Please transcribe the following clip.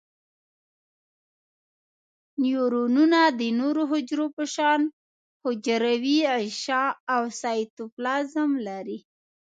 نیورونونه د نورو حجرو په شان حجروي غشاء او سایتوپلازم لري.